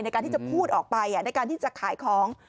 ในการที่จะพูดออกไปในการที่จะขายของ